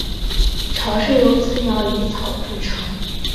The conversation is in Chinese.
巢是由雌鸟以草筑成。